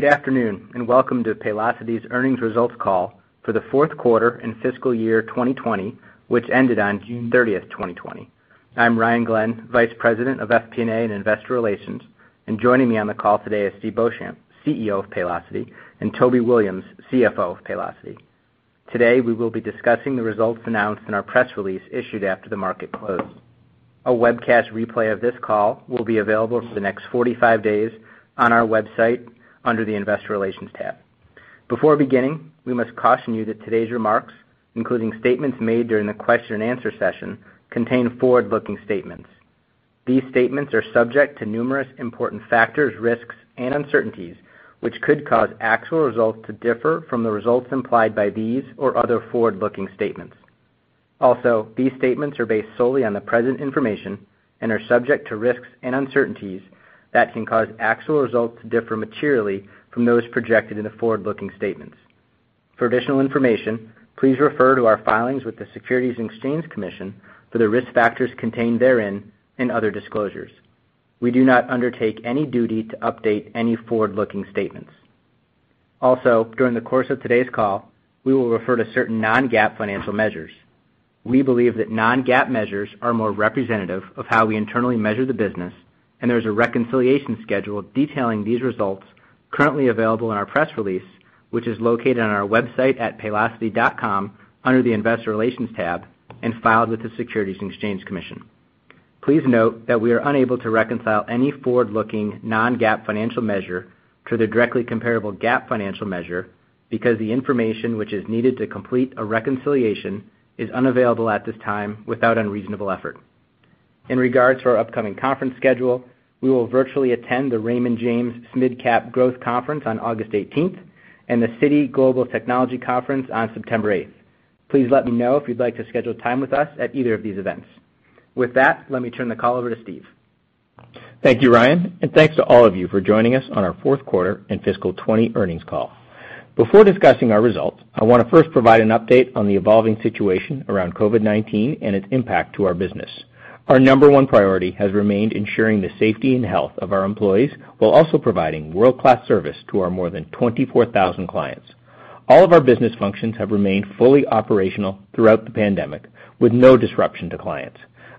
Good afternoon, and welcome to Paylocity's earnings results call for the fourth quarter and fiscal year 2020, which ended on June 30th, 2020. I'm Ryan Glenn, Vice President of FP&A and Investor Relations, and joining me on the call today is Steve Beauchamp, CEO of Paylocity, and Toby Williams, CFO of Paylocity. Today, we will be discussing the results announced in our press release issued after the market close. A webcast replay of this call will be available for the next 45 days on our website under the Investor Relations tab. Before beginning, we must caution you that today's remarks, including statements made during the question and answer session, contain forward-looking statements. These statements are subject to numerous important factors, risks, and uncertainties which could cause actual results to differ from the results implied by these or other forward-looking statements. These statements are based solely on the present information and are subject to risks and uncertainties that can cause actual results to differ materially from those projected in the forward-looking statements. For additional information, please refer to our filings with the Securities and Exchange Commission for the risk factors contained therein and other disclosures. We do not undertake any duty to update any forward-looking statements. During the course of today's call, we will refer to certain non-GAAP financial measures. We believe that non-GAAP measures are more representative of how we internally measure the business, and there is a reconciliation schedule detailing these results currently available in our press release, which is located on our website at paylocity.com under the Investor Relations tab and filed with the Securities and Exchange Commission. Please note that we are unable to reconcile any forward-looking non-GAAP financial measure to the directly comparable GAAP financial measure because the information which is needed to complete a reconciliation is unavailable at this time without unreasonable effort. In regards to our upcoming conference schedule, we will virtually attend the Raymond James SMID Cap Growth Conference on August 18th and the Citi Global Technology Conference on September 8th. Please let me know if you'd like to schedule time with us at either of these events. With that, let me turn the call over to Steve. Thank you, Ryan, and thanks to all of you for joining us on our fourth quarter and fiscal 2020 earnings call. Before discussing our results, I want to first provide an update on the evolving situation around COVID-19 and its impact to our business. Our number one priority has remained ensuring the safety and health of our employees while also providing world-class service to our more than 24,000 clients. All of our business functions have remained fully operational throughout the pandemic with no disruption to clients.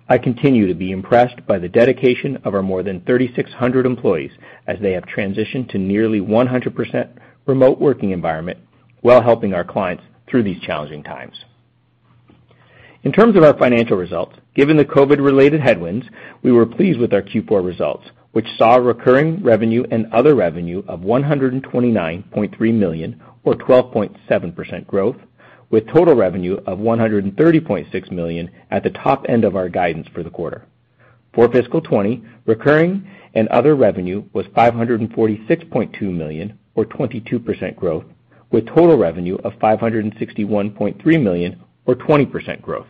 I continue to be impressed by the dedication of our more than 3,600 employees as they have transitioned to nearly 100% remote working environment while helping our clients through these challenging times. In terms of our financial results, given the COVID-related headwinds, we were pleased with our Q4 results, which saw recurring revenue and other revenue of $129.3 million, or 12.7% growth, with total revenue of $130.6 million at the top end of our guidance for the quarter. For fiscal 2020, recurring and other revenue was $546.2 million or 22% growth, with total revenue of $561.3 million or 20% growth.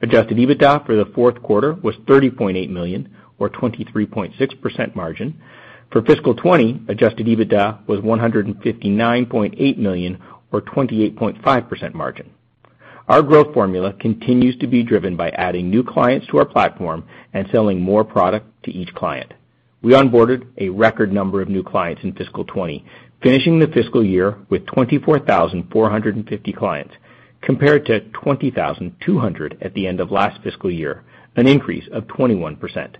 Adjusted EBITDA for the fourth quarter was $30.8 million or 23.6% margin. For fiscal 2020, Adjusted EBITDA was $159.8 million or 28.5% margin. Our growth formula continues to be driven by adding new clients to our platform and selling more product to each client. We onboarded a record number of new clients in fiscal 2020, finishing the fiscal year with 24,450 clients compared to 20,200 at the end of last fiscal year, an increase of 21%.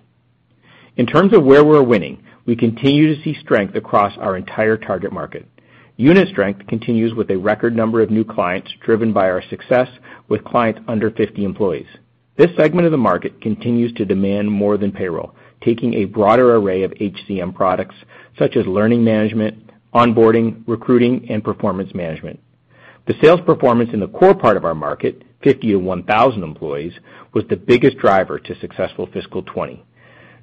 In terms of where we're winning, we continue to see strength across our entire target market. Unit strength continues with a record number of new clients driven by our success with clients under 50 employees. This segment of the market continues to demand more than payroll, taking a broader array of HCM products such as learning management, onboarding, recruiting, and performance management. The sales performance in the core part of our market, 50 to 1,000 employees, was the biggest driver to successful fiscal 2020.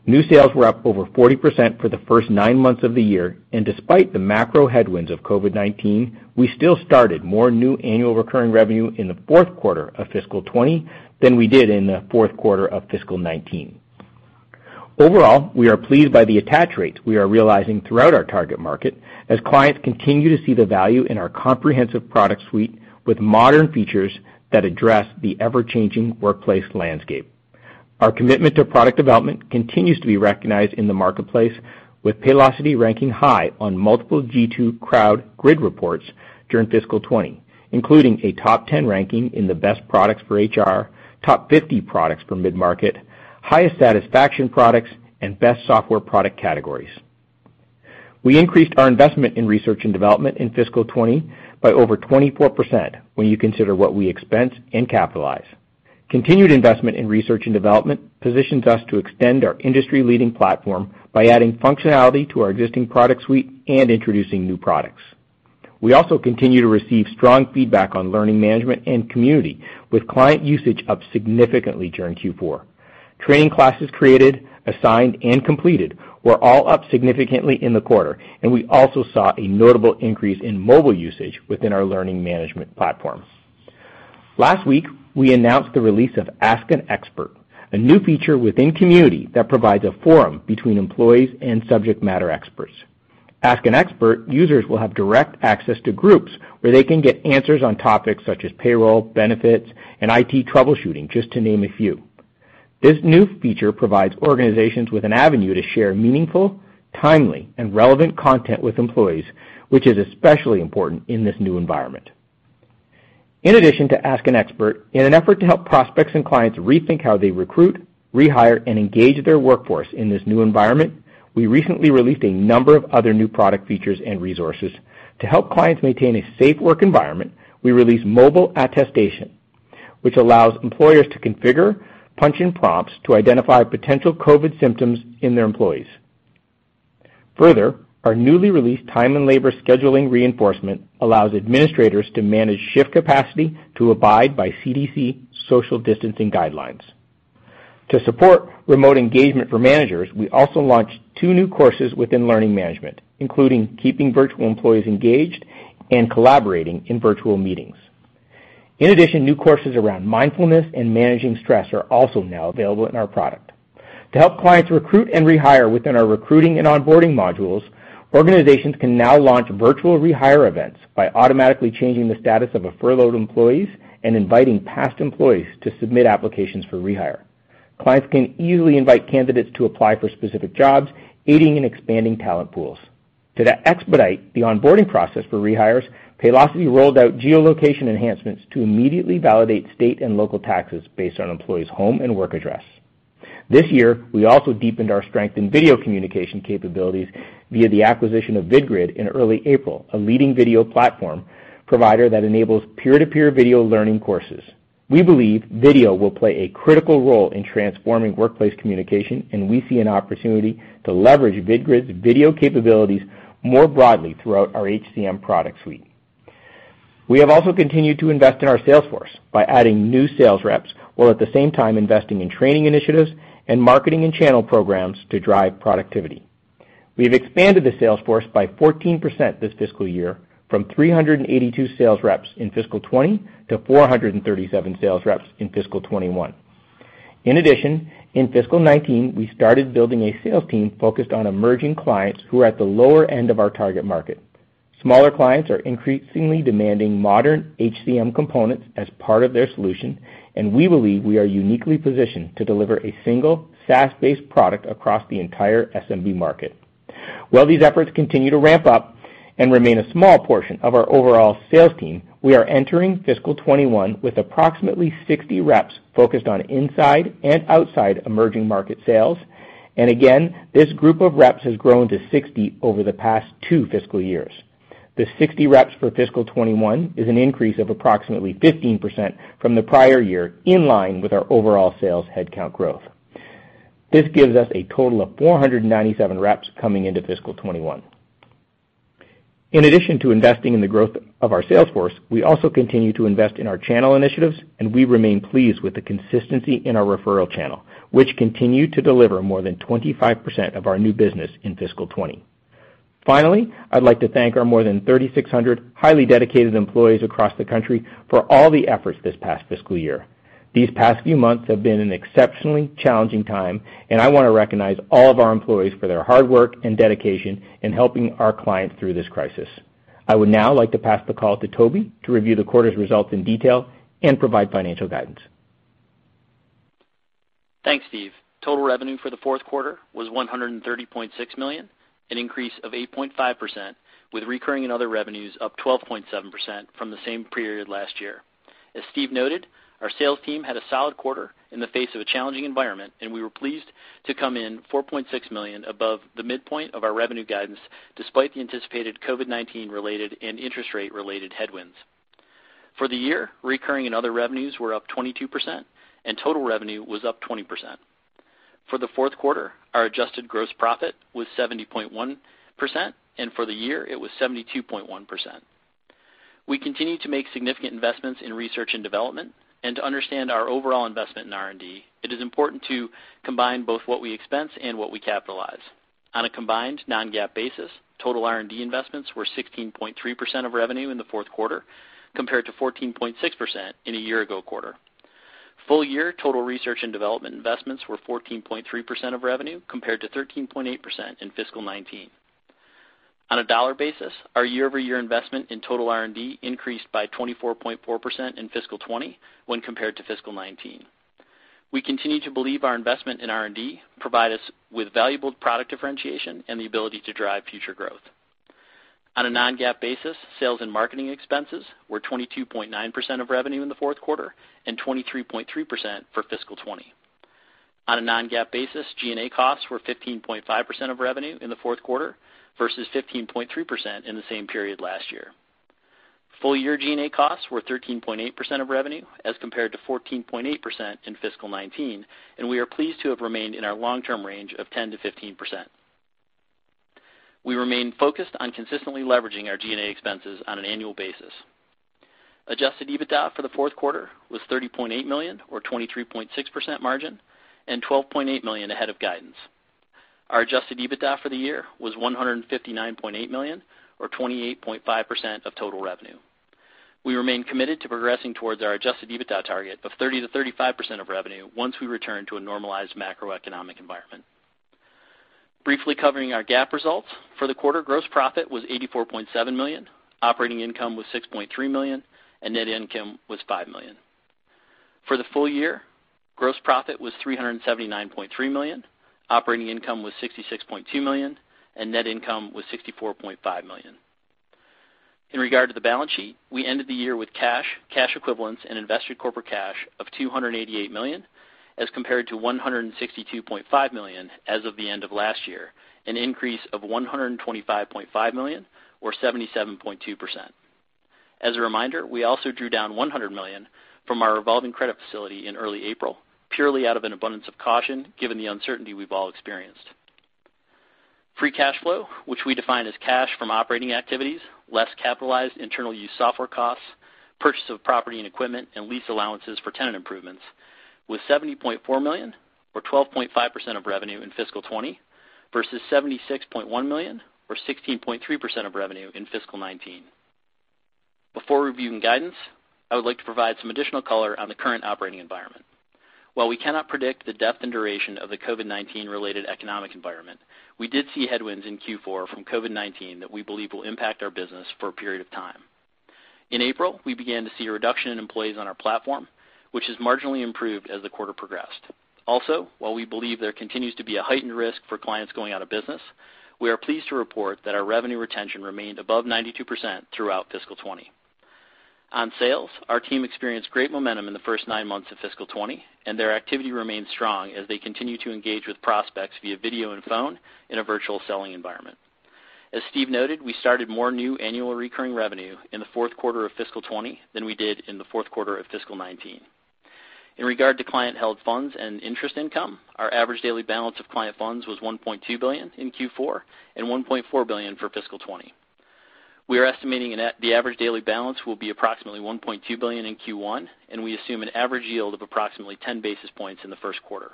New sales were up over 40% for the first nine months of the year, and despite the macro headwinds of COVID-19, we still started more new annual recurring revenue in the fourth quarter of fiscal 2020 than we did in the fourth quarter of fiscal 2019. Overall, we are pleased by the attach rates we are realizing throughout our target market as clients continue to see the value in our comprehensive product suite with modern features that address the ever-changing workplace landscape. Our commitment to product development continues to be recognized in the marketplace, with Paylocity ranking high on multiple G2 Grid reports during fiscal 2020, including a top 10 ranking in the best products for HR, top 50 products for mid-market, highest satisfaction products, and best software product categories. We increased our investment in research and development in fiscal 2020 by over 24% when you consider what we expense and capitalize. Continued investment in research and development positions us to extend our industry-leading platform by adding functionality to our existing product suite and introducing new products. We also continue to receive strong feedback on learning management and Community, with client usage up significantly during Q4. Training classes created, assigned, and completed were all up significantly in the quarter, and we also saw a notable increase in mobile usage within our learning management platform. Last week, we announced the release of Ask an Expert, a new feature within Community that provides a forum between employees and subject matter experts. Ask an Expert users will have direct access to groups where they can get answers on topics such as payroll, benefits, and IT troubleshooting, just to name a few. This new feature provides organizations with an avenue to share meaningful, timely, and relevant content with employees, which is especially important in this new environment. In addition to Ask an Expert, in an effort to help prospects and clients rethink how they recruit, rehire, and engage their workforce in this new environment, we recently released a number of other new product features and resources. To help clients maintain a safe work environment, we released mobile attestation, which allows employers to configure punch-in prompts to identify potential COVID symptoms in their employees. Our newly released time and labor scheduling reinforcement allows administrators to manage shift capacity to abide by CDC social distancing guidelines. To support remote engagement for managers, we also launched two new courses within learning management, including keeping virtual employees engaged and collaborating in virtual meetings. New courses around mindfulness and managing stress are also now available in our product. To help clients recruit and rehire within our recruiting and onboarding modules, organizations can now launch virtual rehire events by automatically changing the status of a furloughed employees and inviting past employees to submit applications for rehire. Clients can easily invite candidates to apply for specific jobs, aiding and expanding talent pools. To expedite the onboarding process for rehires, Paylocity rolled out geolocation enhancements to immediately validate state and local taxes based on employees' home and work address. This year, we also deepened our strength in video communication capabilities via the acquisition of VidGrid in early April, a leading video platform provider that enables peer-to-peer video learning courses. We believe video will play a critical role in transforming workplace communication, and we see an opportunity to leverage VidGrid's video capabilities more broadly throughout our HCM product suite. We have also continued to invest in our sales force by adding new sales reps, while at the same time investing in training initiatives and marketing and channel programs to drive productivity. We've expanded the sales force by 14% this fiscal year from 382 sales reps in fiscal 2020 to 437 sales reps in fiscal 2021. In addition, in fiscal 2019, we started building a sales team focused on emerging clients who are at the lower end of our target market. Smaller clients are increasingly demanding modern HCM components as part of their solution, and we believe we are uniquely positioned to deliver a single SaaS-based product across the entire SMB market. While these efforts continue to ramp up and remain a small portion of our overall sales team, we are entering fiscal 2021 with approximately 60 reps focused on inside and outside emerging market sales. Again, this group of reps has grown to 60 over the past two fiscal years. The 60 reps for fiscal 2021 is an increase of approximately 15% from the prior year, in line with our overall sales headcount growth. This gives us a total of 497 reps coming into fiscal 2021. In addition to investing in the growth of our sales force, we also continue to invest in our channel initiatives, and we remain pleased with the consistency in our referral channel, which continued to deliver more than 25% of our new business in fiscal 2020. Finally, I'd like to thank our more than 3,600 highly dedicated employees across the country for all the efforts this past fiscal year. These past few months have been an exceptionally challenging time, and I want to recognize all of our employees for their hard work and dedication in helping our clients through this crisis. I would now like to pass the call to Toby to review the quarter's results in detail and provide financial guidance. Thanks, Steve. Total revenue for the fourth quarter was $130.6 million, an increase of 8.5%, with recurring and other revenues up 12.7% from the same period last year. As Steve noted, our sales team had a solid quarter in the face of a challenging environment, we were pleased to come in $4.6 million above the midpoint of our revenue guidance, despite the anticipated COVID-19 related and interest rate related headwinds. For the year, recurring and other revenues were up 22%, and total revenue was up 20%. For the fourth quarter, our adjusted gross profit was 70.1%, and for the year it was 72.1%. We continue to make significant investments in research and development. To understand our overall investment in R&D, it is important to combine both what we expense and what we capitalize. On a combined non-GAAP basis, total R&D investments were 16.3% of revenue in the fourth quarter, compared to 14.6% in a year ago quarter. Full year total research and development investments were 14.3% of revenue, compared to 13.8% in fiscal 2019. On a dollar basis, our year-over-year investment in total R&D increased by 24.4% in fiscal 2020 when compared to fiscal 2019. We continue to believe our investment in R&D provide us with valuable product differentiation and the ability to drive future growth. On a non-GAAP basis, sales and marketing expenses were 22.9% of revenue in the fourth quarter and 23.3% for fiscal 2020. On a non-GAAP basis, G&A costs were 15.5% of revenue in the fourth quarter versus 15.3% in the same period last year. Full year G&A costs were 13.8% of revenue as compared to 14.8% in fiscal 2019, and we are pleased to have remained in our long-term range of 10%-15%. We remain focused on consistently leveraging our G&A expenses on an annual basis. Adjusted EBITDA for the fourth quarter was $30.8 million, or 23.6% margin, and $12.8 million ahead of guidance. Our adjusted EBITDA for the year was $159.8 million or 28.5% of total revenue. We remain committed to progressing towards our adjusted EBITDA target of 30%-35% of revenue once we return to a normalized macroeconomic environment. Briefly covering our GAAP results. For the quarter, gross profit was $84.7 million, operating income was $6.3 million, and net income was $5 million. For the full year, gross profit was $379.3 million, operating income was $66.2 million, and net income was $64.5 million. In regard to the balance sheet, we ended the year with cash equivalents, and invested corporate cash of $288 million as compared to $162.5 million as of the end of last year, an increase of $125.5 million or 77.2%. As a reminder, we also drew down $100 million from our revolving credit facility in early April, purely out of an abundance of caution given the uncertainty we've all experienced. Free cash flow, which we define as cash from operating activities, less capitalized internal use software costs, purchase of property and equipment, and lease allowances for tenant improvements, was $70.4 million or 12.5% of revenue in fiscal 2020, versus $76.1 million or 16.3% of revenue in fiscal 2019. Before reviewing guidance, I would like to provide some additional color on the current operating environment. While we cannot predict the depth and duration of the COVID-19 related economic environment, we did see headwinds in Q4 from COVID-19 that we believe will impact our business for a period of time. In April, we began to see a reduction in employees on our platform, which has marginally improved as the quarter progressed. Also, while we believe there continues to be a heightened risk for clients going out of business, we are pleased to report that our revenue retention remained above 92% throughout fiscal '20. On sales, our team experienced great momentum in the first nine months of fiscal '20, and their activity remains strong as they continue to engage with prospects via video and phone in a virtual selling environment. As Steve noted, we started more new annual recurring revenue in the fourth quarter of fiscal '20 than we did in the fourth quarter of fiscal '19. In regard to client-held funds and interest income, our average daily balance of client funds was $1.2 billion in Q4 and $1.4 billion for fiscal 2020. We are estimating the average daily balance will be approximately $1.2 billion in Q1, and we assume an average yield of approximately 10 basis points in the first quarter.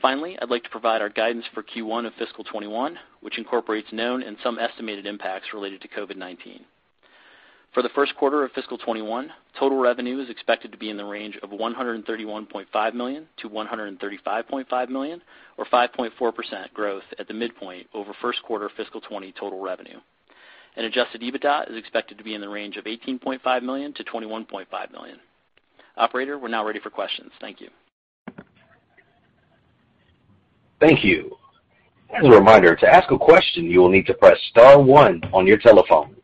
Finally, I'd like to provide our guidance for Q1 of fiscal 2021, which incorporates known and some estimated impacts related to COVID-19. For the first quarter of fiscal 2021, total revenue is expected to be in the range of $131.5 million-$135.5 million, or 5.4% growth at the midpoint over first quarter fiscal 2020 total revenue. Adjusted EBITDA is expected to be in the range of $18.5 million-$21.5 million. Operator, we're now ready for questions. Thank you. Thank you. As a reminder, to ask a question, you will need to press *1 on your telephone.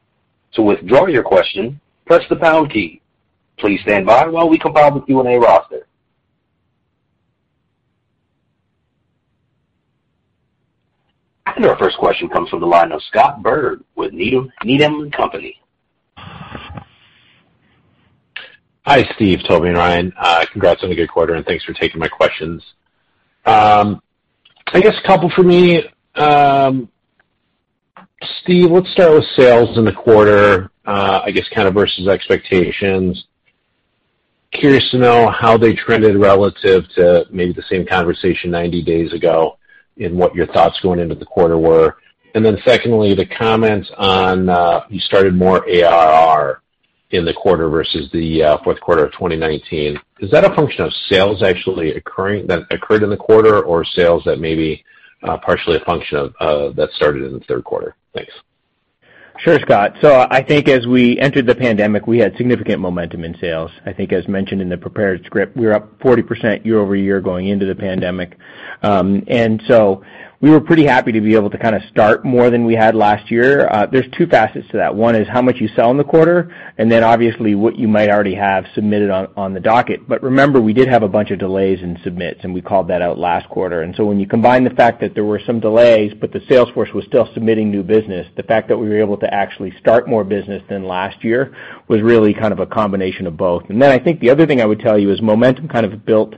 To withdraw your question, press the # key. Please stand by while we compile the Q&A roster. Our first question comes from the line of Scott Berg with Needham & Company. Hi, Steve, Toby, and Ryan. Congrats on a good quarter, and thanks for taking my questions. I guess a couple for me. Steve, let's start with sales in the quarter, I guess kind of versus expectations. Curious to know how they trended relative to maybe the same conversation 90 days ago and what your thoughts going into the quarter were. Then secondly, the comments on, you started more ARR in the quarter versus the fourth quarter of 2019. Is that a function of sales actually that occurred in the quarter or sales that may be partially a function of that started in the third quarter? Thanks. Sure, Scott. I think as we entered the pandemic, we had significant momentum in sales. I think as mentioned in the prepared script, we were up 40% year-over-year going into the pandemic. We were pretty happy to be able to kind of start more than we had last year. There's two facets to that. One is how much you sell in the quarter, and then obviously what you might already have submitted on the docket. Remember, we did have a bunch of delays in submits, and we called that out last quarter. When you combine the fact that there were some delays, but the sales force was still submitting new business, the fact that we were able to actually start more business than last year was really kind of a combination of both. I think the other thing I would tell you is momentum kind of built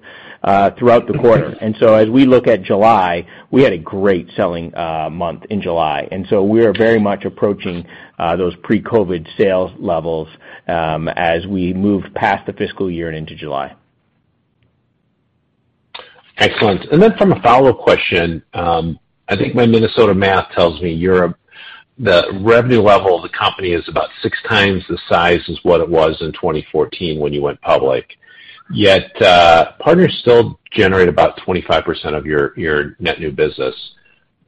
throughout the quarter. As we look at July, we had a great selling month in July. We are very much approaching those pre-COVID sales levels as we moved past the fiscal year and into July. Excellent. Then from a follow-up question, I think my Minnesota math tells me the revenue level of the company is about six times the size as what it was in 2014 when you went public. Partners still generate about 25% of your net new business,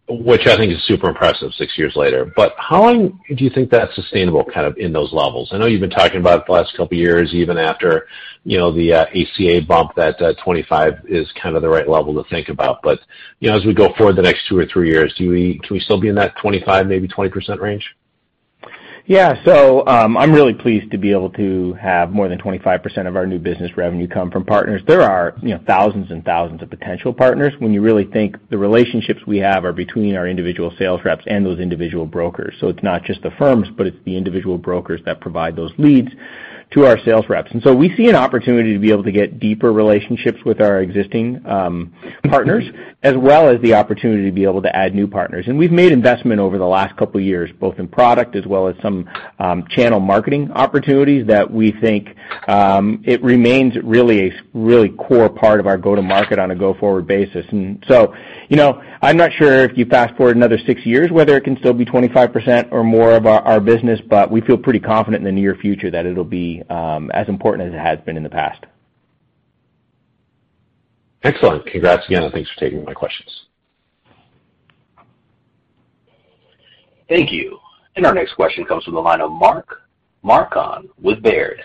which I think is super impressive six years later. How long do you think that's sustainable kind of in those levels? I know you've been talking about the last couple of years, even after the ACA bump, that 25 is kind of the right level to think about. As we go forward the next two or three years, can we still be in that 25, maybe 20% range? Yeah. I'm really pleased to be able to have more than 25% of our new business revenue come from partners. There are thousands and thousands of potential partners when you really think the relationships we have are between our individual sales reps and those individual brokers. It's not just the firms, but it's the individual brokers that provide those leads to our sales reps. We see an opportunity to be able to get deeper relationships with our existing partners, as well as the opportunity to be able to add new partners. We've made investment over the last couple of years, both in product as well as some channel marketing opportunities that we think it remains really a really core part of our go-to-market on a go-forward basis. I'm not sure if you fast-forward another six years whether it can still be 25% or more of our business, but we feel pretty confident in the near future that it'll be as important as it has been in the past. Excellent. Congrats again, and thanks for taking my questions. Thank you. Our next question comes from the line of Mark Marcon with Baird.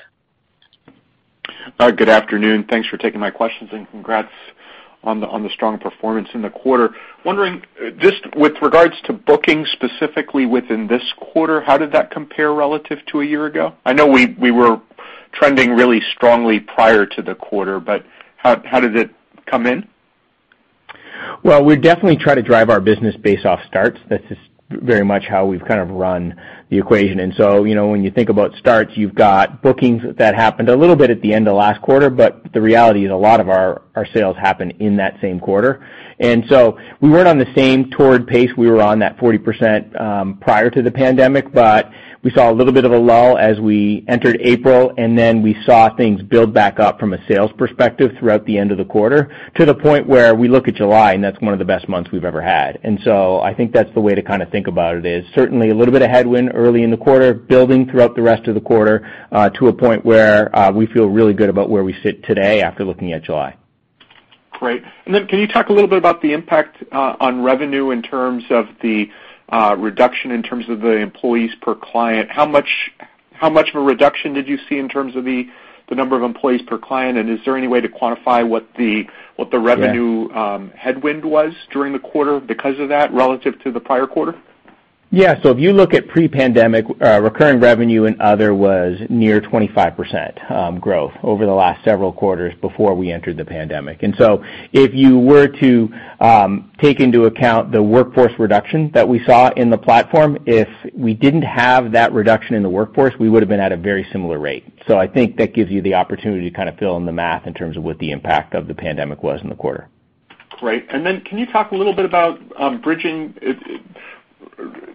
Good afternoon. Thanks for taking my questions and congrats on the strong performance in the quarter. Wondering, just with regards to bookings specifically within this quarter, how did that compare relative to a year ago? I know we were trending really strongly prior to the quarter, but how did it come in? Well, we definitely try to drive our business based off starts. That's just very much how we've kind of run the equation. When you think about starts, you've got bookings that happened a little bit at the end of last quarter, but the reality is a lot of our sales happened in that same quarter. We weren't on the same toward pace we were on that 40% prior to the pandemic, but we saw a little bit of a lull as we entered April, and then we saw things build back up from a sales perspective throughout the end of the quarter to the point where we look at July and that's one of the best months we've ever had. I think that's the way to kind of think about it, is certainly a little bit of headwind early in the quarter, building throughout the rest of the quarter, to a point where we feel really good about where we sit today after looking at July. Great. Can you talk a little bit about the impact on revenue in terms of the reduction in terms of the employees per client? How much of a reduction did you see in terms of the number of employees per client? Is there any way to quantify what the revenue- Yeah headwind was during the quarter because of that relative to the prior quarter? Yeah. If you look at pre-pandemic, recurring revenue and other was near 25% growth over the last several quarters before we entered the pandemic. If you were to take into account the workforce reduction that we saw in the platform, if we didn't have that reduction in the workforce, we would've been at a very similar rate. I think that gives you the opportunity to kind of fill in the math in terms of what the impact of the pandemic was in the quarter. Great. Can you talk a little bit about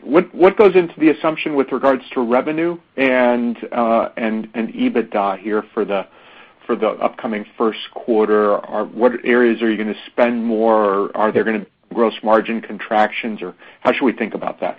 what goes into the assumption with regards to revenue and EBITDA here for the upcoming first quarter? What areas are you gonna spend more? Are there gonna gross margin contractions or how should we think about that?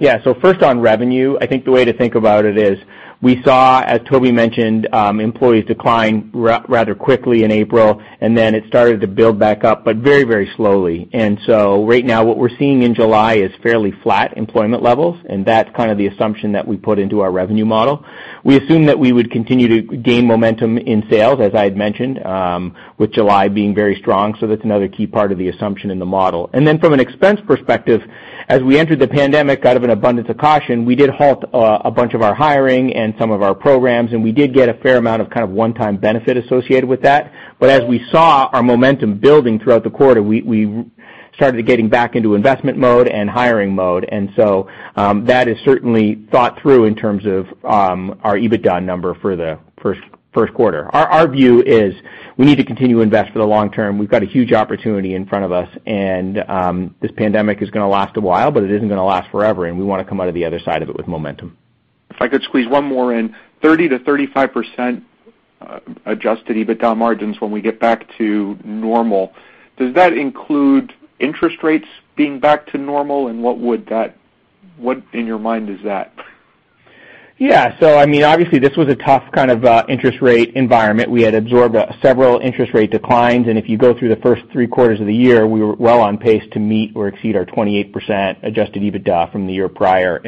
Yeah. First on revenue, I think the way to think about it is we saw, as Toby mentioned, employees decline rather quickly in April, and then it started to build back up, but very slowly. Right now what we're seeing in July is fairly flat employment levels, and that's kind of the assumption that we put into our revenue model. We assume that we would continue to gain momentum in sales, as I had mentioned, with July being very strong. That's another key part of the assumption in the model. From an expense perspective, as we entered the pandemic, out of an abundance of caution, we did halt a bunch of our hiring and some of our programs, and we did get a fair amount of kind of one-time benefit associated with that. As we saw our momentum building throughout the quarter, we started getting back into investment mode and hiring mode. That is certainly thought through in terms of our EBITDA number for the first quarter. Our view is we need to continue to invest for the long term. We've got a huge opportunity in front of us, and this pandemic is gonna last a while, but it isn't gonna last forever, and we want to come out of the other side of it with momentum. If I could squeeze one more in, 30%-35% adjusted EBITDA margins when we get back to normal, does that include interest rates being back to normal? What in your mind is that? Yeah. I mean, obviously this was a tough kind of interest rate environment. We had absorbed several interest rate declines. If you go through the first three quarters of the year, we were well on pace to meet or exceed our 28% adjusted EBITDA from the year prior.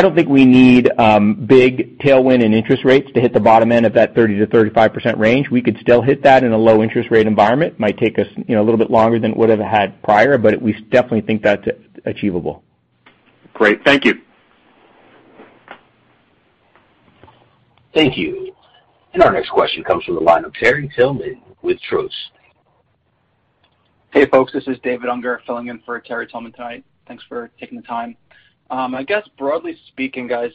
I don't think we need big tailwind in interest rates to hit the bottom end of that 30%-35% range. We could still hit that in a low interest rate environment. Might take us a little bit longer than it would've had prior, but we definitely think that's achievable. Great. Thank you. Thank you. Our next question comes from the line of Terry Tillman with Truist. Hey, folks, this is David Unger filling in for Terry Tillman tonight. Thanks for taking the time. I guess broadly speaking, guys,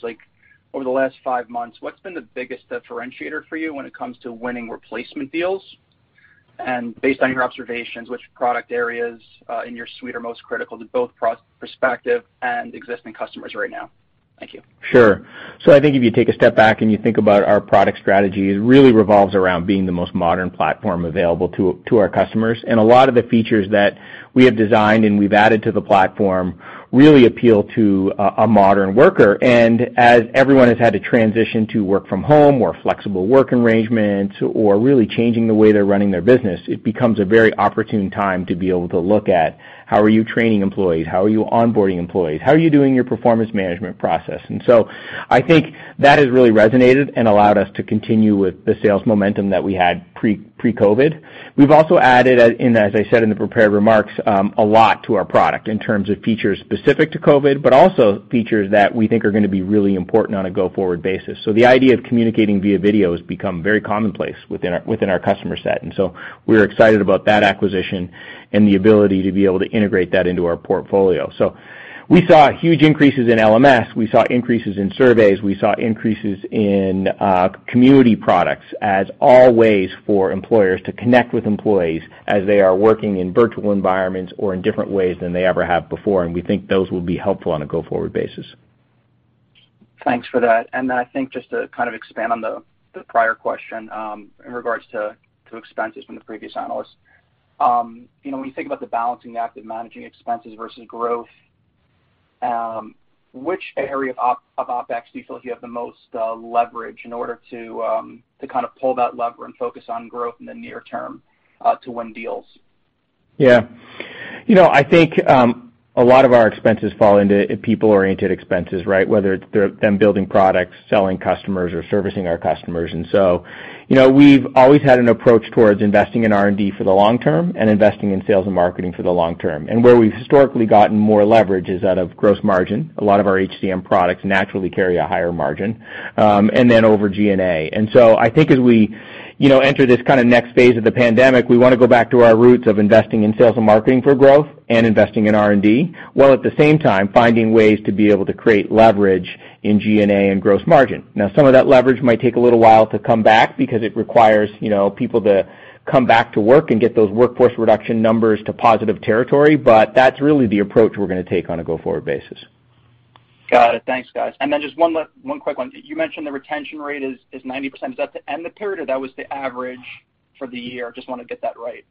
over the last five months, what's been the biggest differentiator for you when it comes to winning replacement deals? Based on your observations, which product areas, in your suite are most critical to both prospective and existing customers right now? Thank you. Sure. I think if you take a step back and you think about our product strategy, it really revolves around being the most modern platform available to our customers. A lot of the features that we have designed and we've added to the platform really appeal to a modern worker. As everyone has had to transition to work from home, more flexible work arrangements, or really changing the way they're running their business, it becomes a very opportune time to be able to look at how are you training employees, how are you onboarding employees, how are you doing your performance management process. I think that has really resonated and allowed us to continue with the sales momentum that we had pre-COVID. We've also added, as I said in the prepared remarks, a lot to our product in terms of features specific to COVID-19, but also features that we think are going to be really important on a go-forward basis. The idea of communicating via video has become very commonplace within our customer set, and so we're excited about that acquisition and the ability to be able to integrate that into our portfolio. We saw huge increases in LMS, we saw increases in surveys, we saw increases in Community products as all ways for employers to connect with employees as they are working in virtual environments or in different ways than they ever have before, and we think those will be helpful on a go-forward basis. Thanks for that. I think just to kind of expand on the prior question, in regards to expenses from the previous analyst. When you think about the balancing act of managing expenses versus growth. Which area of OpEx do you feel like you have the most leverage in order to pull that lever and focus on growth in the near term to win deals? Yeah. I think a lot of our expenses fall into people-oriented expenses, right? Whether it's them building products, selling customers, or servicing our customers. We've always had an approach towards investing in R&D for the long term and investing in sales and marketing for the long term. Where we've historically gotten more leverage is out of gross margin. A lot of our HCM products naturally carry a higher margin, and then over G&A. I think as we enter this next phase of the pandemic, we want to go back to our roots of investing in sales and marketing for growth and investing in R&D, while at the same time finding ways to be able to create leverage in G&A and gross margin. Some of that leverage might take a little while to come back because it requires people to come back to work and get those workforce reduction numbers to positive territory. That's really the approach we're going to take on a go-forward basis. Got it. Thanks, guys. Just one quick one. You mentioned the retention rate is 90%. Is that to end the period or that was the average for the year? Just want to get that right.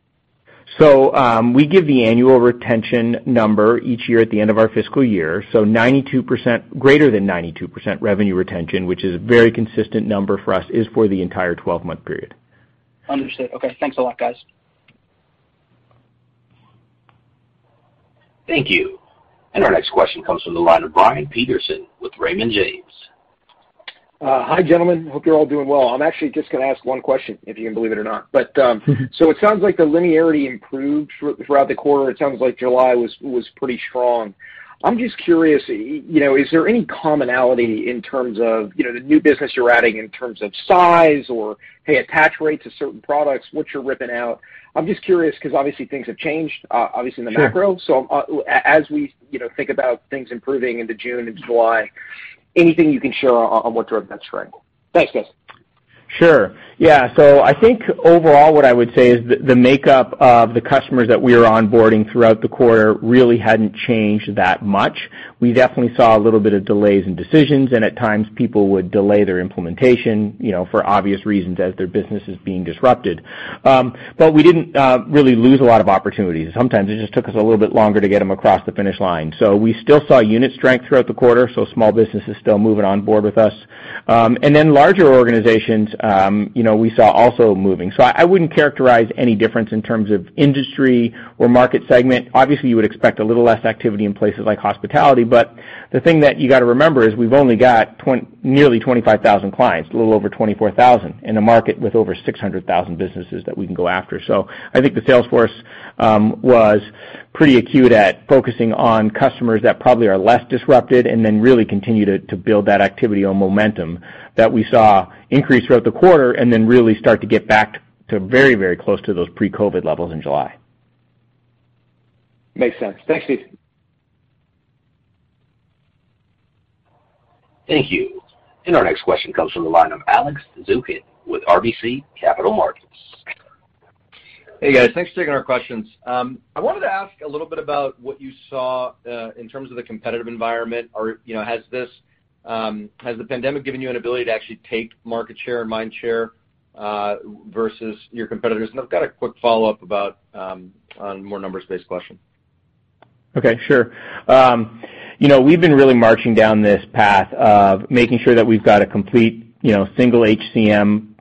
We give the annual retention number each year at the end of our fiscal year. Greater than 92% revenue retention, which is a very consistent number for us, is for the entire 12-month period. Understood. Okay. Thanks a lot, guys. Thank you. Our next question comes from the line of Brian Peterson with Raymond James. Hi, gentlemen. Hope you're all doing well. I'm actually just going to ask one question, if you can believe it or not. It sounds like the linearity improved throughout the quarter. It sounds like July was pretty strong. I'm just curious, is there any commonality in terms of the new business you're adding in terms of size or, hey, attach rates of certain products, what you're ripping out? I'm just curious because obviously things have changed, obviously in the macro. Sure. As we think about things improving into June, into July, anything you can share on what drove that strength? Thanks, guys. Sure. Yeah. I think overall what I would say is the makeup of the customers that we were onboarding throughout the quarter really hadn't changed that much. We definitely saw a little bit of delays in decisions, and at times people would delay their implementation, for obvious reasons, as their business is being disrupted. We didn't really lose a lot of opportunities. Sometimes it just took us a little bit longer to get them across the finish line. We still saw unit strength throughout the quarter, so small businesses still moving on board with us. Larger organizations, we saw also moving. I wouldn't characterize any difference in terms of industry or market segment. Obviously, you would expect a little less activity in places like hospitality, but the thing that you got to remember is we've only got nearly 25,000 clients, a little over 24,000, in a market with over 600,000 businesses that we can go after. I think the sales force was pretty acute at focusing on customers that probably are less disrupted and then really continue to build that activity or momentum that we saw increase throughout the quarter, and then really start to get back to very close to those pre-COVID levels in July. Makes sense. Thanks, Steve. Thank you. Our next question comes from the line of Alex Zukin with RBC Capital Markets. Hey, guys. Thanks for taking our questions. I wanted to ask a little bit about what you saw in terms of the competitive environment, or has the pandemic given you an ability to actually take market share and mind share, versus your competitors? I've got a quick follow-up about, on a more numbers-based question. Okay, sure. We've been really marching down this path of making sure that we've got a complete single HCM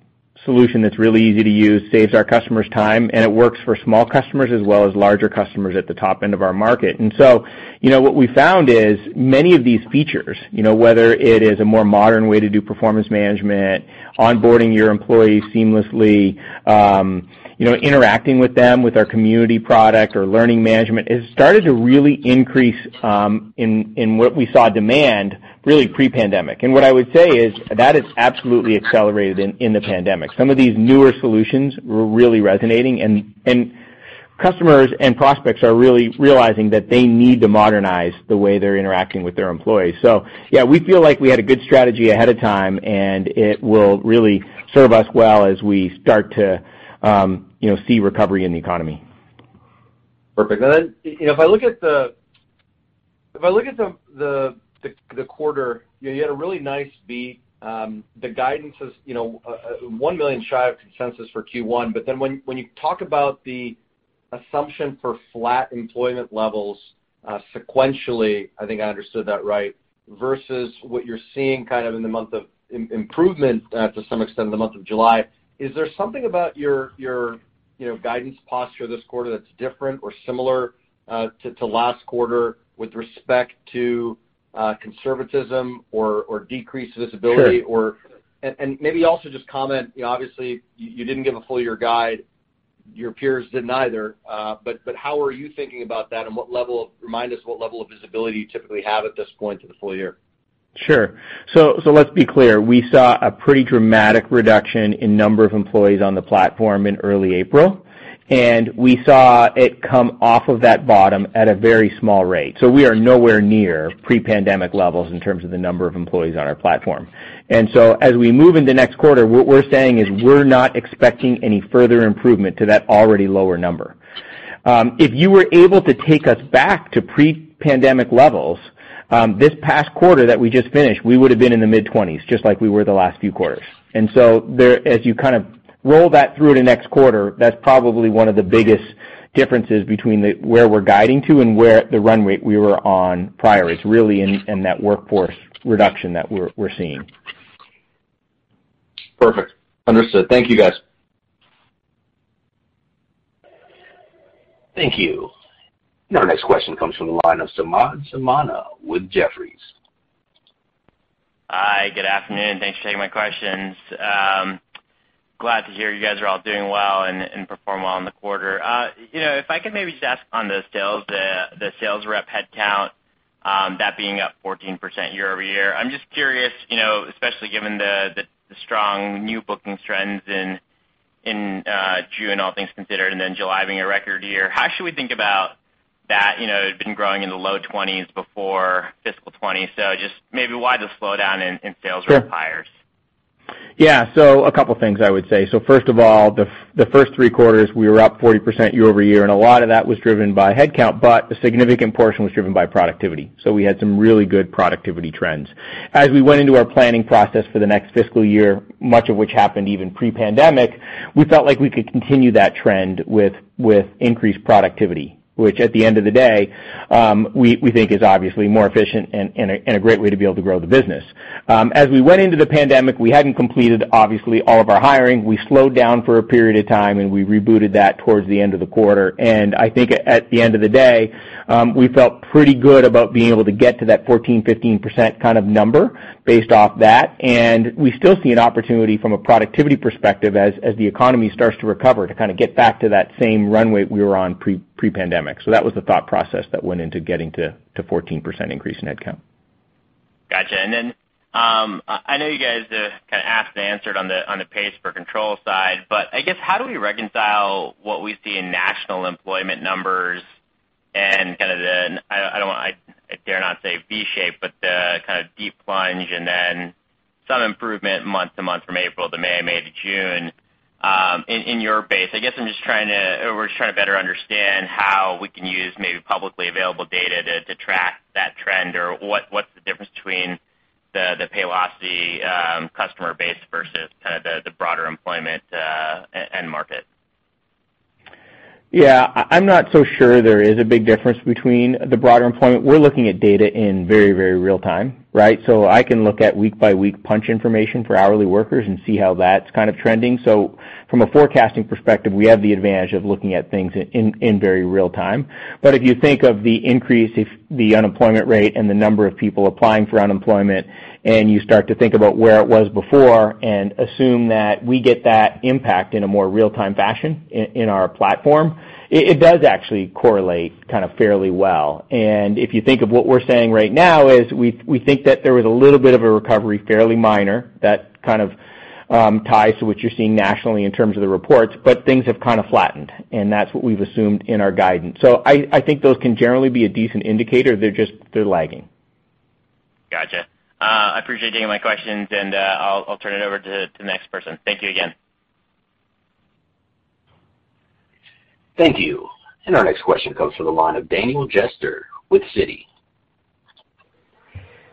solution that's really easy to use, saves our customers time, and it works for small customers as well as larger customers at the top end of our market. What we found is many of these features, whether it is a more modern way to do performance management, onboarding your employees seamlessly, interacting with them with our Community product or learning management, it started to really increase in what we saw demand really pre-pandemic. What I would say is, that it's absolutely accelerated in the pandemic. Some of these newer solutions were really resonating, and customers and prospects are really realizing that they need to modernize the way they're interacting with their employees. Yeah, we feel like we had a good strategy ahead of time, and it will really serve us well as we start to see recovery in the economy. Perfect. If I look at the quarter, you had a really nice beat. The guidance is $1 million shy of consensus for Q1. When you talk about the assumption for flat employment levels, sequentially, I think I understood that right, versus what you're seeing in the month of improvement, to some extent, in the month of July, is there something about your guidance posture this quarter that's different or similar to last quarter with respect to conservatism or decreased visibility? Sure maybe also just comment, obviously, you didn't give a full year guide. Your peers didn't either. How are you thinking about that, and remind us what level of visibility you typically have at this point to the full year? Sure. Let's be clear. We saw a pretty dramatic reduction in number of employees on the platform in early April, and we saw it come off of that bottom at a very small rate. We are nowhere near pre-pandemic levels in terms of the number of employees on our platform. As we move into next quarter, what we're saying is we're not expecting any further improvement to that already lower number. If you were able to take us back to pre-pandemic levels, this past quarter that we just finished, we would've been in the mid-20s, just like we were the last few quarters. As you roll that through to next quarter, that's probably one of the biggest differences between where we're guiding to and where the run rate we were on prior is really in that workforce reduction that we're seeing. Perfect. Understood. Thank you, guys. Thank you. Our next question comes from the line of Samad Samana with Jefferies. Hi, good afternoon. Thanks for taking my questions. Glad to hear you guys are all doing well and performed well in the quarter. I could maybe just ask on the sales rep headcount, that being up 14% year-over-year. I'm just curious, especially given the strong new booking trends in June, all things considered, and then July being a record year, how should we think about that? It had been growing in the low 20s before fiscal 2020. Just maybe why the slowdown in sales rep hires? Yeah. A couple of things I would say. First of all, the first three quarters, we were up 40% year-over-year, and a lot of that was driven by headcount, but a significant portion was driven by productivity. We had some really good productivity trends. As we went into our planning process for the next fiscal year, much of which happened even pre-pandemic, we felt like we could continue that trend with increased productivity, which at the end of the day, we think is obviously more efficient and a great way to be able to grow the business. As we went into the pandemic, we hadn't completed, obviously, all of our hiring. We slowed down for a period of time, and we rebooted that towards the end of the quarter. I think at the end of the day, we felt pretty good about being able to get to that 14%-15% kind of number based off that. We still see an opportunity from a productivity perspective as the economy starts to recover, to kind of get back to that same runway we were on pre-pandemic. That was the thought process that went into getting to 14% increase in headcount. Got you. Then, I know you guys kind of asked and answered on the pays per control side, but I guess, how do we reconcile what we see in national employment numbers and kind of the, I dare not say V shape, but the kind of deep plunge and then some improvement month-to-month from April to May to June, in your base? I guess we're just trying to better understand how we can use maybe publicly available data to track that trend, or what's the difference between the Paylocity customer base versus the broader employment end market? I'm not so sure there is a big difference between the broader employment. We're looking at data in very real time, right? I can look at week-by-week punch information for hourly workers and see how that's kind of trending. From a forecasting perspective, we have the advantage of looking at things in very real time. If you think of the increase of the unemployment rate and the number of people applying for unemployment, and you start to think about where it was before and assume that we get that impact in a more real-time fashion in our platform, it does actually correlate kind of fairly well. If you think of what we're saying right now is we think that there was a little bit of a recovery, fairly minor, that kind of ties to what you're seeing nationally in terms of the reports, but things have kind of flattened, and that's what we've assumed in our guidance. I think those can generally be a decent indicator. They're just lagging. Got you. I appreciate you taking my questions, and I'll turn it over to the next person. Thank you again. Thank you. Our next question comes from the line of Daniel Jester with Citi.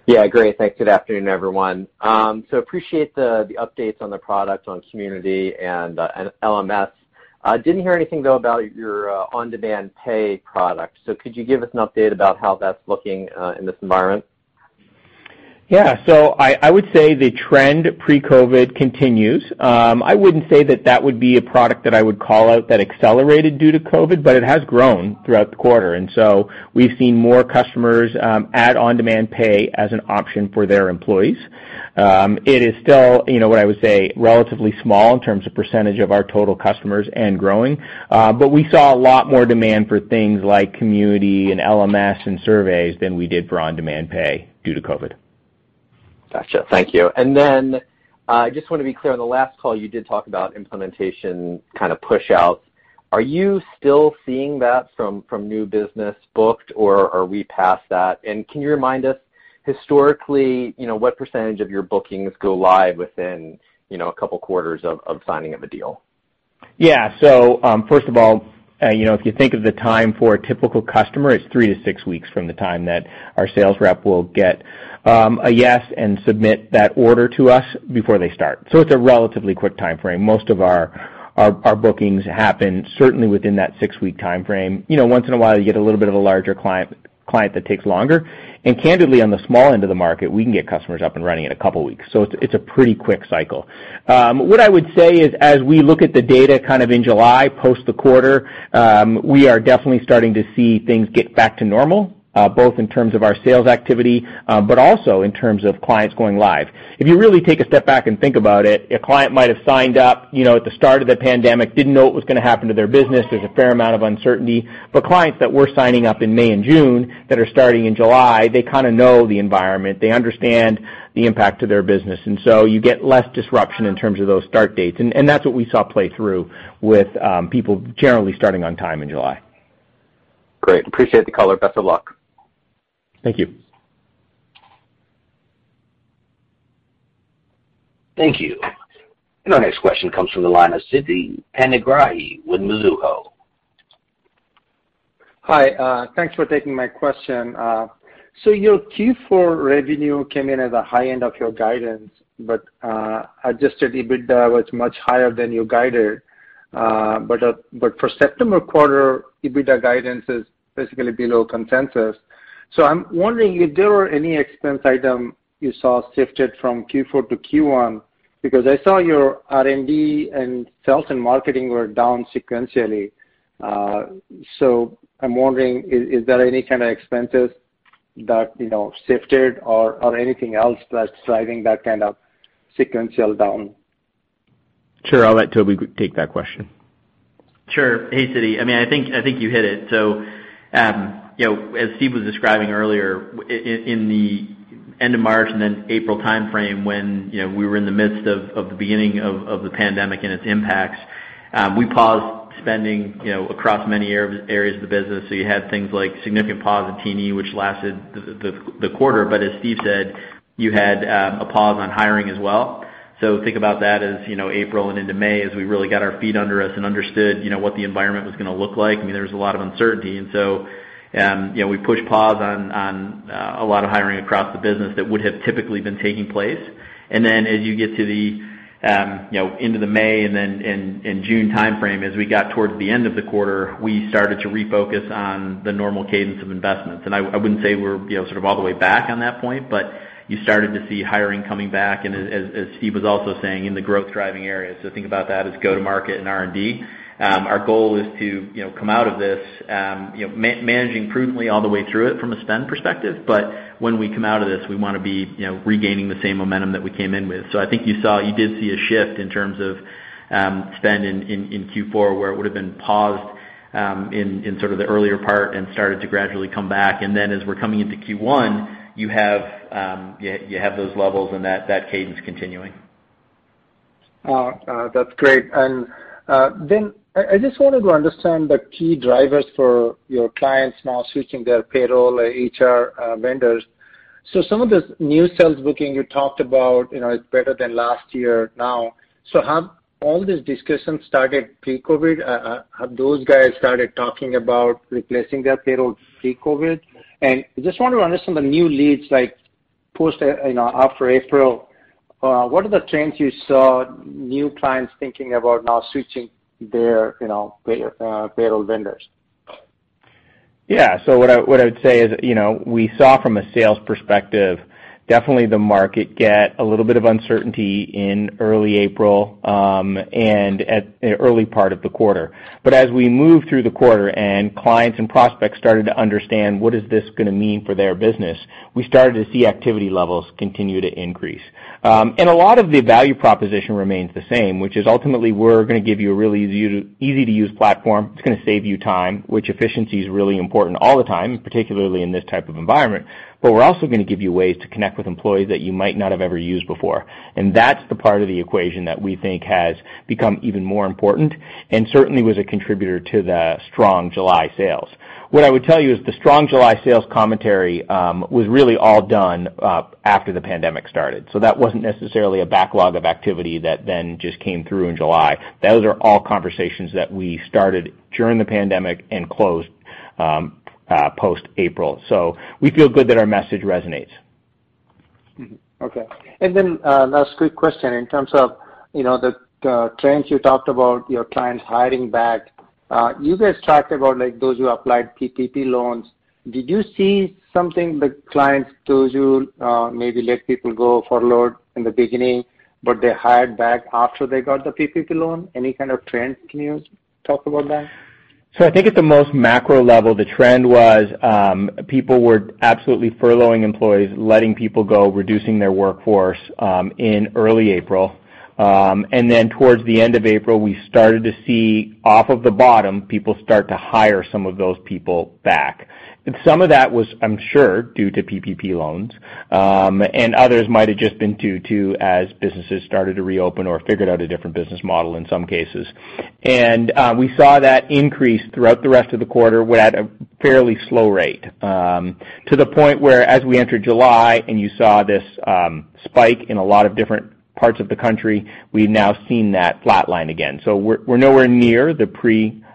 Yeah, great, thanks. Good afternoon, everyone. Appreciate the updates on the products on Community and LMS. Didn't hear anything, though, about your On-Demand Pay product. Could you give us an update about how that's looking in this environment? Yeah. I would say the trend pre-COVID continues. I wouldn't say that that would be a product that I would call out that accelerated due to COVID, but it has grown throughout the quarter. We've seen more customers add On-Demand Pay as an option for their employees. It is still what I would say, relatively small in terms of percentage of our total customers and growing. But we saw a lot more demand for things like Community and LMS and surveys than we did for On-Demand Pay due to COVID. Got you. Thank you. I just want to be clear. On the last call, you did talk about implementation kind of push-outs. Are you still seeing that from new business booked, or are we past that? Can you remind us historically, what percentage of your bookings go live within a couple of quarters of signing of a deal? First of all, if you think of the time for a typical customer, it's 3-6 weeks from the time that our sales rep will get a yes and submit that order to us before they start. It's a relatively quick timeframe. Most of our bookings happen certainly within that 6-week timeframe. Once in a while, you get a little bit of a larger client that takes longer. Candidly, on the small end of the market, we can get customers up and running in a couple of weeks. It's a pretty quick cycle. What I would say is, as we look at the data kind of in July, post the quarter, we are definitely starting to see things get back to normal, both in terms of our sales activity, but also in terms of clients going live. If you really take a step back and think about it, a client might have signed up at the start of the pandemic, didn't know what was going to happen to their business. There's a fair amount of uncertainty. Clients that we're signing up in May and June that are starting in July, they kind of know the environment. They understand the impact to their business. You get less disruption in terms of those start dates, and that's what we saw play through with people generally starting on time in July. Great. Appreciate the color. Best of luck. Thank you. Thank you. Our next question comes from the line of Siti Panigrahi with Mizuho. Hi. Thanks for taking my question. Your Q4 revenue came in at the high end of your guidance, but adjusted EBITDA was much higher than you guided. For September quarter, EBITDA guidance is basically below consensus. I'm wondering if there were any expense item you saw shifted from Q4 to Q1, because I saw your R&D and sales and marketing were down sequentially. I'm wondering, is there any kind of expenses that shifted or anything else that's driving that kind of sequential down? Sure. I'll let Toby take that question. Sure. Hey, Siti. I think you hit it. As Steve was describing earlier, in the end of March and then April timeframe when we were in the midst of the beginning of the pandemic and its impacts, we paused spending across many areas of the business. You had things like significant pause in T&E, which lasted the quarter. As Steve said, you had a pause on hiring as well. Think about that as April and into May, as we really got our feet under us and understood what the environment was going to look like. There was a lot of uncertainty. We pushed pause on a lot of hiring across the business that would have typically been taking place. As you get to the end of May and then in June timeframe, as we got towards the end of the quarter, we started to refocus on the normal cadence of investments. I wouldn't say we're all the way back on that point, but you started to see hiring coming back and as Steve was also saying, in the growth-driving areas. Think about that as go-to-market and R&D. Our goal is to come out of this, managing prudently all the way through it from a spend perspective. When we come out of this, we want to be regaining the same momentum that we came in with. I think you did see a shift in terms of spend in Q4, where it would've been paused in the earlier part and started to gradually come back. As we're coming into Q1, you have those levels and that cadence continuing. That's great. I just wanted to understand the key drivers for your clients now switching their payroll or HR vendors. Some of the new sales booking you talked about, it's better than last year now. Have all these discussions started pre-COVID? Have those guys started talking about replacing their payroll pre-COVID? Just want to understand the new leads, like post after April. What are the trends you saw new clients thinking about now switching their payroll vendors? Yeah. What I would say is, we saw from a sales perspective, definitely the market get a little bit of uncertainty in early April, and at early part of the quarter. As we moved through the quarter and clients and prospects started to understand what is this going to mean for their business, we started to see activity levels continue to increase. A lot of the value proposition remains the same, which is ultimately, we're going to give you a really easy to use platform. It's going to save you time, which efficiency is really important all the time, particularly in this type of environment. We're also going to give you ways to connect with employees that you might not have ever used before. That's the part of the equation that we think has become even more important, and certainly was a contributor to the strong July sales. What I would tell you is the strong July sales commentary, was really all done after the pandemic started. That wasn't necessarily a backlog of activity that then just came through in July. Those are all conversations that we started during the pandemic and closed post-April. We feel good that our message resonates. Okay. Last quick question in terms of the trends you talked about your clients hiring back. You guys talked about those who applied PPP loans. Did you see something that clients told you, maybe let people go furloughed in the beginning, but they hired back after they got the PPP loan? Any kind of trend, can you talk about that? I think at the most macro level, the trend was people were absolutely furloughing employees, letting people go, reducing their workforce in early April. Towards the end of April, we started to see off of the bottom, people start to hire some of those people back. Some of that was, I'm sure, due to PPP loans. Others might have just been due to as businesses started to reopen or figured out a different business model in some cases. We saw that increase throughout the rest of the quarter, but at a fairly slow rate, to the point where as we entered July and you saw this spike in a lot of different parts of the country, we've now seen that flatline again. We're nowhere near the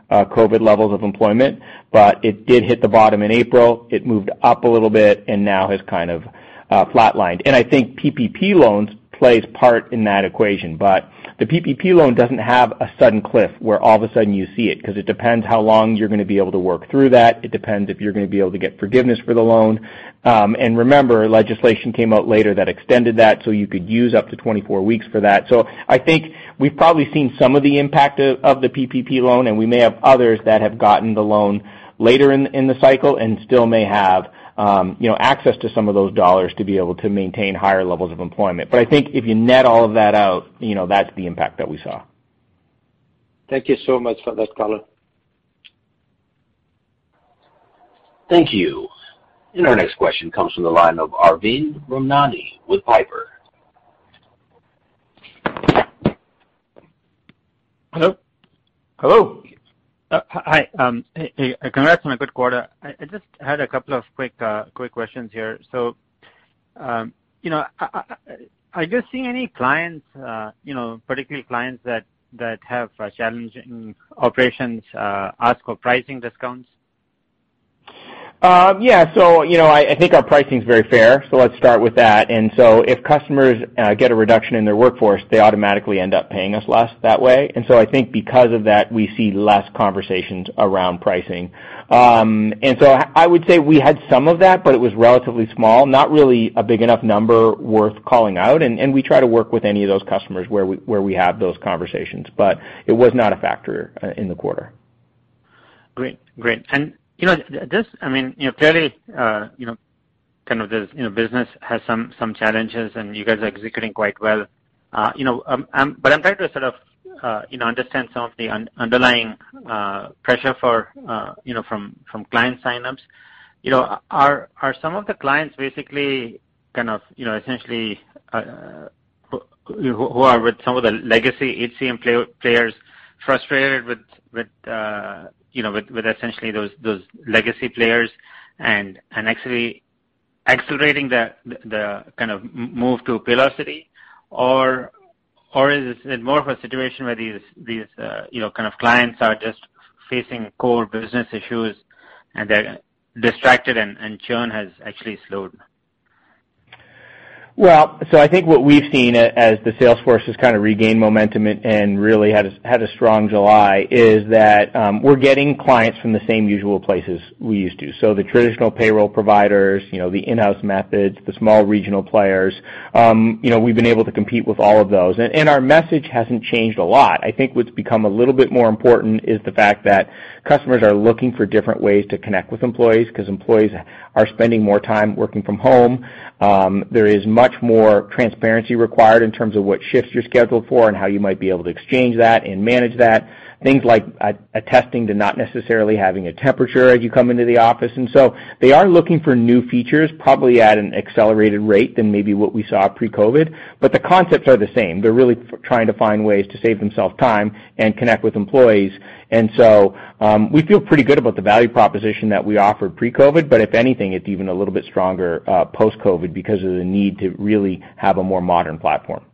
pre-COVID levels of employment, but it did hit the bottom in April. It moved up a little bit and now has kind of flatlined. I think PPP loans plays part in that equation. The PPP loan doesn't have a sudden cliff where all of a sudden you see it, because it depends how long you're going to be able to work through that. It depends if you're going to be able to get forgiveness for the loan. Remember, legislation came out later that extended that, so you could use up to 24 weeks for that. I think we've probably seen some of the impact of the PPP loan, and we may have others that have gotten the loan later in the cycle and still may have access to some of those dollars to be able to maintain higher levels of employment. I think if you net all of that out, that's the impact that we saw. Thank you so much for this call. Thank you. Our next question comes from the line of Arvind Ramnani with Piper. Hello? Hello. Hi. Congrats on a good quarter. I just had a couple of quick questions here. Are you seeing any clients, particular clients that have challenging operations ask for pricing discounts? Yeah. I think our pricing is very fair, so let's start with that. If customers get a reduction in their workforce, they automatically end up paying us less that way. I think because of that, we see less conversations around pricing. I would say we had some of that, but it was relatively small, not really a big enough number worth calling out. And we try to work with any of those customers where we have those conversations. It was not a factor in the quarter. Great. This, clearly, kind of this business has some challenges and you guys are executing quite well. I'm trying to sort of understand some of the underlying pressure from client signups. Are some of the clients basically, kind of essentially who are with some of the legacy HCM players frustrated with essentially those legacy players and actually accelerating the kind of move to Paylocity? Is it more of a situation where these kind of clients are just facing core business issues and they're distracted and churn has actually slowed? I think what we've seen as the sales force has kind of regained momentum and really had a strong July, is that we're getting clients from the same usual places we used to. The traditional payroll providers, the in-house methods, the small regional players, we've been able to compete with all of those. Our message hasn't changed a lot. I think what's become a little bit more important is the fact that customers are looking for different ways to connect with employees because employees are spending more time working from home. There is much more transparency required in terms of what shifts you're scheduled for and how you might be able to exchange that and manage that. Things like attesting to not necessarily having a temperature as you come into the office. They are looking for new features, probably at an accelerated rate than maybe what we saw pre-COVID, but the concepts are the same. They're really trying to find ways to save themselves time and connect with employees. We feel pretty good about the value proposition that we offered pre-COVID, but if anything, it's even a little bit stronger post-COVID because of the need to really have a more modern platform.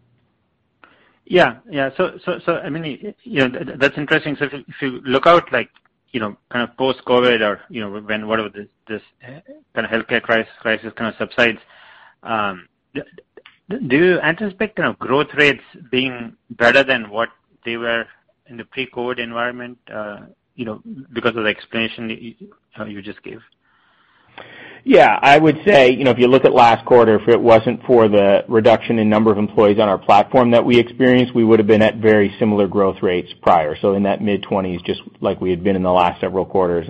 Yeah. That's interesting. If you look out like, kind of post-COVID or when whatever this kind of healthcare crisis kind of subsides, do you anticipate growth rates being better than what they were in the pre-COVID environment because of the explanation you just gave? Yeah. I would say, if you look at last quarter, if it wasn't for the reduction in number of employees on our platform that we experienced, we would've been at very similar growth rates prior. So in that mid-20s, just like we had been in the last several quarters.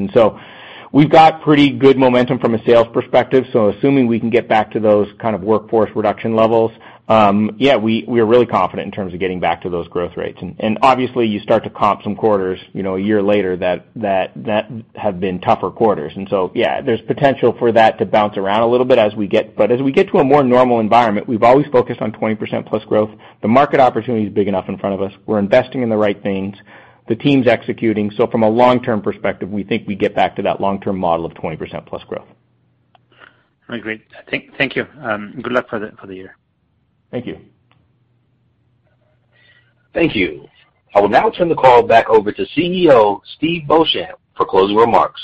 We've got pretty good momentum from a sales perspective. So assuming we can get back to those kind of workforce reduction levels, yeah, we are really confident in terms of getting back to those growth rates. Obviously you start to comp some quarters a year later that have been tougher quarters. Yeah, there's potential for that to bounce around a little bit. As we get to a more normal environment, we've always focused on 20%+ growth. The market opportunity is big enough in front of us. We're investing in the right things. The team's executing. From a long-term perspective, we think we get back to that long-term model of 20% plus growth. Great. Thank you. Good luck for the year. Thank you. Thank you. I will now turn the call back over to CEO Steve Beauchamp for closing remarks.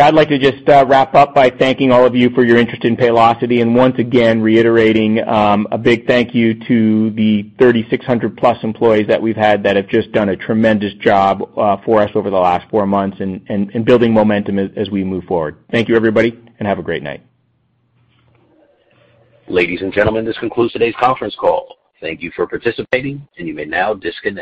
I'd like to just wrap up by thanking all of you for your interest in Paylocity, and once again reiterating a big thank you to the 3,600 plus employees that we've had that have just done a tremendous job for us over the last four months and building momentum as we move forward. Thank you everybody, and have a great night. Ladies and gentlemen, this concludes today's conference call. Thank you for participating, and you may now disconnect.